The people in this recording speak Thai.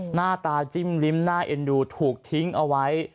หน้าตาจิ้มลิ้มน่าเอ็นดูถูกทิ้งเอาไว้